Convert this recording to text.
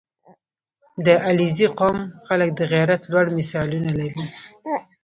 • د علیزي قوم خلک د غیرت لوړ مثالونه لري.